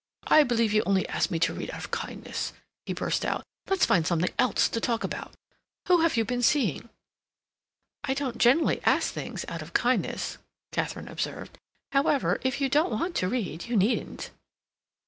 "I believe you only ask me to read out of kindness," he burst out. "Let's find something else to talk about. Who have you been seeing?" "I don't generally ask things out of kindness," Katharine observed; "however, if you don't want to read, you needn't."